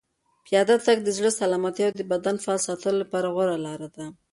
پیاده تګ د زړه سلامتیا او د بدن فعال ساتلو لپاره غوره لاره ده.